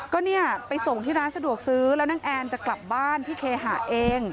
ก็เนี่ยไปส่งที่ร้านสะดวกซื้อแล้วน้องแอนจะกลับบ้านที่เคหาเอง